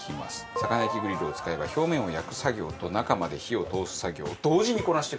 魚焼きグリルを使えば表面を焼く作業と中まで火を通す作業を同時にこなしてくれます。